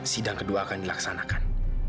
sidang kedua akan dilaksanakan